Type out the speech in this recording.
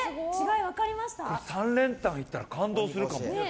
３連単いったら感動するかも。